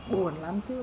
buồn lắm chứ